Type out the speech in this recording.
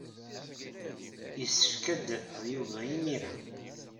Yessefk ad d-afeɣ Yuba imir-a.